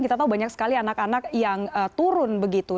kita tahu banyak sekali anak anak yang turun begitu